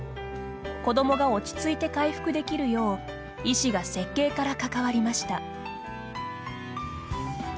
子どもが落ち着いて回復できるよう医師が設計から関わりました。